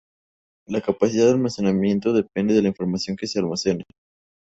La capacidad de almacenamiento depende de la información que se almacena.